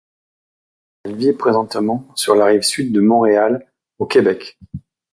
Elle vit présentement sur la Rive-Sud de Montréal au Québec.